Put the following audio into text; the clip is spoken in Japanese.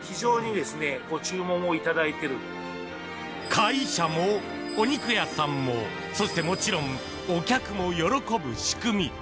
会社も、お肉屋さんもそして、もちろんお客も喜ぶ仕組み。